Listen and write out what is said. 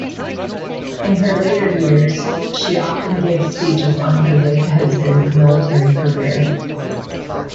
In her later years she often gave speeches on her late husband's military career.